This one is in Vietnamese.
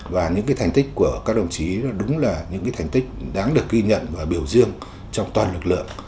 và những thành tích của các đồng chí đúng là những thành tích đáng được ghi nhận và biểu dương trong toàn lực lượng